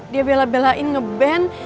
dia bela belain nge ban